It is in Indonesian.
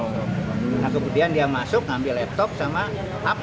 oh nah kemudian dia masuk ngambil laptop sama hp